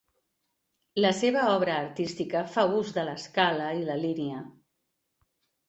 La seva obra artística fa ús de l'escala i la línia.